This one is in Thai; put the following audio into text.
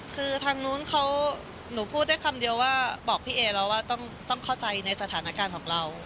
คือทางนู้นเขาหนูพูดได้คำเดียวว่าบอกพี่เอแล้วว่าต้องเข้าใจในสถานการณ์ของเรา